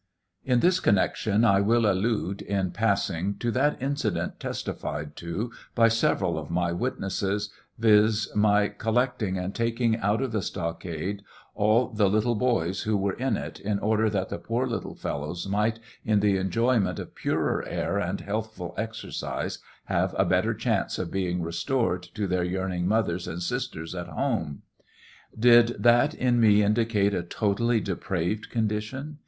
In this connection I will allude, in passing, to that incident testified to by several of my witnesses, viz : my collecting and taking out of the stockade all the little boys who were in it, in order that the poor little fellows might, in the enjoyment of purer air and healthful exercise, have abetter chance 720 TRIAL OF HENRY WIRZ. of being restored to their yearning mothers and sisters at Lome. Did that i me indicate n totally depraved condition?